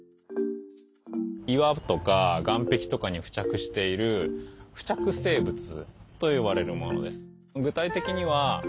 岩とか岸壁とかに付着している付着生物といわれるものです。